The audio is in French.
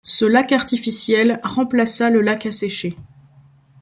Ce lac artificiel remplaça le lac asséché.